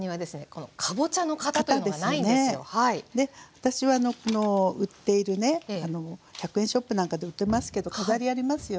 私はこの売っているね１００円ショップなんかで売ってますけど飾りありますよね。